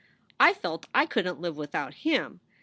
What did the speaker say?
I felt I couldent live without him.